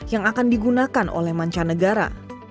yang akan digunakan oleh mancanegara